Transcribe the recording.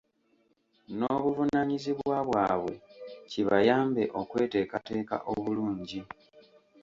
N’obuvunanyizibwa bwabwe kibayambe okweteekateeka obulungi.